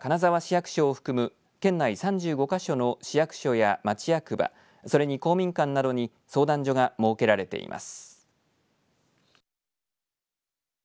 きょうは金沢市役所を含む県内３５か所の市役所や、町役場それに公民館などに相談所が設けられています。